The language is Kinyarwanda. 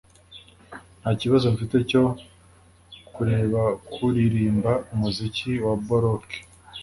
Ntakibazo mfite cyo kurebakuririmba umuziki wa baroque